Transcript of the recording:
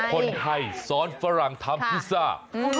คนไทยซ้อนฝรั่งทำพิซซ่า